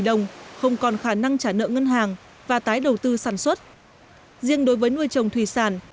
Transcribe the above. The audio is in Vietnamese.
đồng không còn khả năng trả nợ ngân hàng và tái đầu tư sản xuất riêng đối với nuôi trồng thủy sản